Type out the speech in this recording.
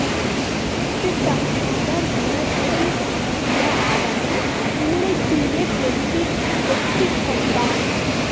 முரட்டுத் தனமாக முறத்தை வாங்கிய அவன், கூடைக்குள்ளே கொட்டிக் கொண்டான்.